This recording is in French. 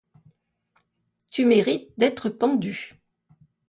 Tu mérites d’estre pendu!